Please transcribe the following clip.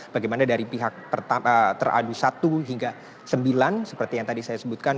bagaimana dari pihak teradu satu hingga sembilan seperti yang tadi saya sebutkan